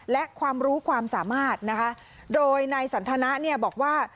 และความรู้ความสามารถนะคะโดยนายสันทนะเนี่ยบอกว่า